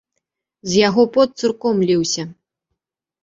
З яго пот цурком ліўся.